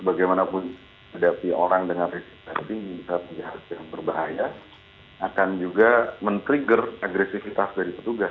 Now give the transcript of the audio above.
bagaimanapun menghadapi orang dengan resiko yang berbeda akan juga men trigger agresivitas dari petugas